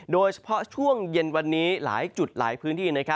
โดยเฉพาะช่วงเย็นวันนี้หลายจุดหลายพื้นที่